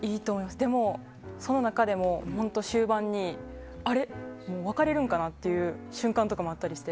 でも、その中でも終盤に、あれ？別れるんかなっていう瞬間とかもあったりして。